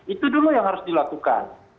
itu dulu yang harus dilakukan